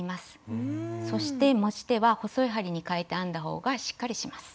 そして持ち手は細い針にかえて編んだ方がしっかりします。